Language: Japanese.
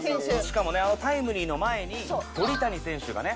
しかもねあのタイムリーの前に鳥谷選手がね